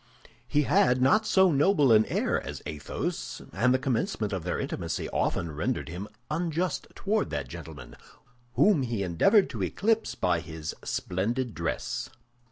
He had not so noble an air as Athos, and the commencement of their intimacy often rendered him unjust toward that gentleman, whom he endeavored to eclipse by his splendid dress.